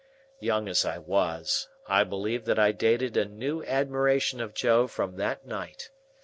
Young as I was, I believe that I dated a new admiration of Joe from that night.